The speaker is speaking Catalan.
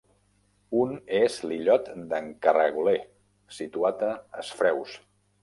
Un és l'illot d'en Caragoler situat a es Freus.